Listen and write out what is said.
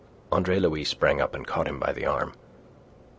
Andre Louis sprang up and caught him by the arm.